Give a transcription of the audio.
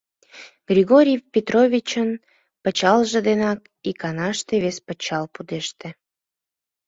Григорий Петровичын пычалже денак иканаште вес пычал пудеште.